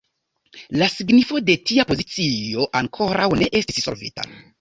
La signifo de tia pozicio ankoraŭ ne estis solvita.